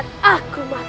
jangan menunjukkan keanehan